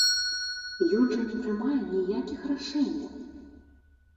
Ён жа не прымае ніякіх рашэнняў!